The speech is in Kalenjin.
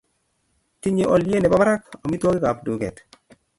tinyei olye nebo barak omitwogikab duket